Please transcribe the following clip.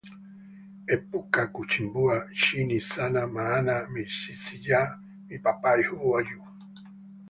epuka kuchimbua chini sana maana mizizi ya mipapai huwa juu.